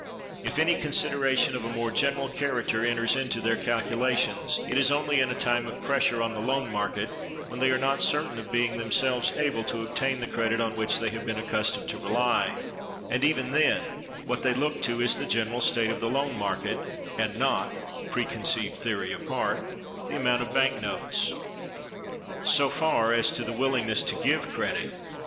If any consideration of a more general character enters into their calculation, it is only in a time of pressure on the loan market, when they are not certain of being themselves able to obtain the credit on which they have been accustomed to rely; and even then, what they look to is the general state of the loan market, and not (preconceived theory apart) the amount of bank notes. So far, as to the willingness to give credit.